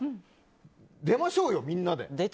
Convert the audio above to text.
出ましょうよ、みんなで。